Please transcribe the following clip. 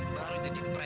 baru jadi bandwidth